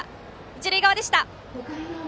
一塁側でした。